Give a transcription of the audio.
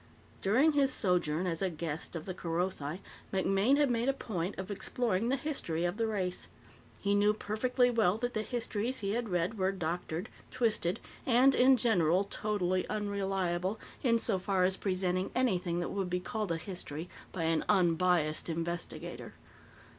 During his sojourn as a "guest" of the Kerothi, MacMaine had made a point of exploring the history of the race. He knew perfectly well that the histories he had read were doctored, twisted, and, in general, totally unreliable in so far as presenting anything that would be called a history by an unbiased investigator.